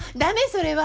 それは。